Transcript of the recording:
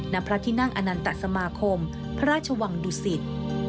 ณพระที่นั่งอนันตสมาคมพระราชวังดุสิต